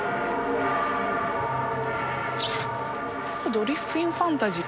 ドルフィンファンタジー。